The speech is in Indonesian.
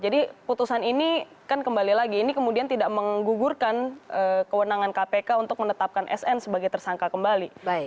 jadi putusan ini kan kembali lagi ini kemudian tidak menggugurkan kewenangan kpk untuk menetapkan sn sebagai tersangka kembali